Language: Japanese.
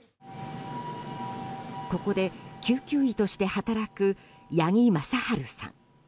ここで救急医として働く八木正晴さん。